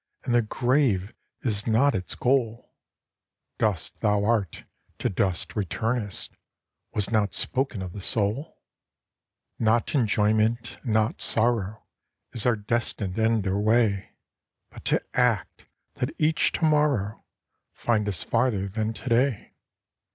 And the grave is not its goal ; Dust thou art, to dust returnest, Was not spoken of the soul. VOICES OF THE NIGHT. Not enjoyment, and not sorrow, Is our destined end or way ; But to act, that each to morrow Find us farther than to day.